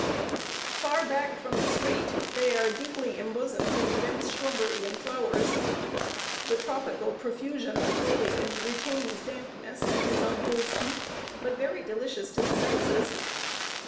Far back from the street, they are deeply imbosomed in dense shrubbery and flowers. The tropical profusion of the foliage retains dampness and is unwholesome, but very delicious to the senses.